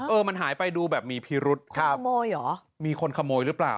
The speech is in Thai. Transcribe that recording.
เออมันหายไปดูแบบมีพิรุษคนขโมยเหรอมีคนขโมยหรือเปล่า